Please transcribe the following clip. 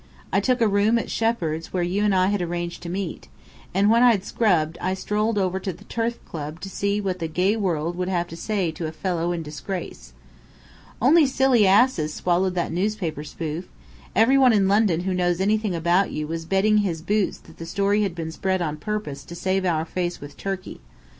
I took a room at Shepheard's where you and I had arranged to meet, and when I'd scrubbed, I strolled over to the Turf Club to see what the gay world would have to say to a fellow in disgrace." "Only silly asses swallowed that newspaper spoof! Every one in London who knows anything about you was betting his boots that the story had been spread on purpose to save our face with Turkey."